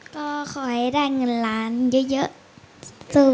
ก็ขอให้ได้เงินล้านเยอะสู้